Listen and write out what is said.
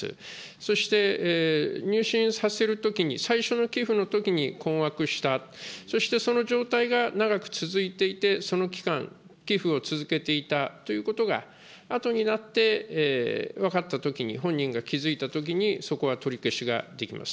そして入信させるときに、最初の寄付のときに困惑した、そしてその状態が長く続いていて、その期間、寄付を続けていたということがあとになって分かったときに、本人が気付いたときに、そこは取り消しができます。